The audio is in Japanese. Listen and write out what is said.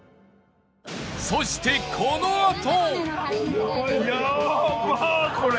そしてこのあと